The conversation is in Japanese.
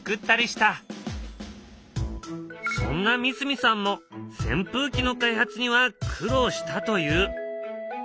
そんな三角さんもせん風機の開発には苦労したと言う。